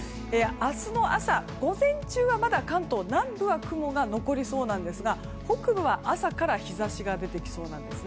明日の朝、午前中はまだ関東南部は雲が残りそうなんですが、北部は朝から日差しが出てきそうです。